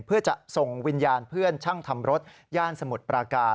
เพื่อจะส่งวิญญาณเพื่อนช่างทำรถย่านสมุทรปราการ